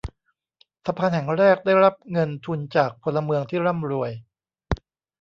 สะพานแห่งแรกได้รับเงินทุนจากพลเมืองที่ร่ำรวย